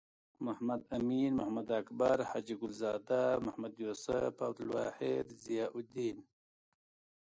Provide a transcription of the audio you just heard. محمد امین.محمد اکبر.حاجی ګل زاده. محمد یوسف.عبدالواحد.ضیاالدین